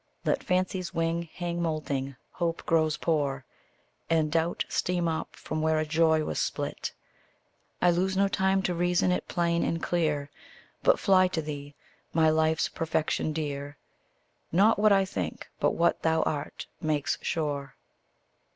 Let fancy's wings hang moulting, hope grow poor, And doubt steam up from where a joy was spilt I lose no time to reason it plain and clear, But fly to thee, my life's perfection dear: Not what I think, but what thou art, makes sure.